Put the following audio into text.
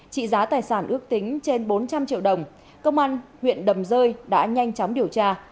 trị giá tài sản ước tính trên bốn trăm linh triệu đồng công an huyện đầm rơi đã nhanh chóng điều tra